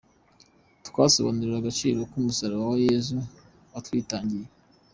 Twasobanuriwe agaciro k’umusaraba wa Yesu watwitangiye.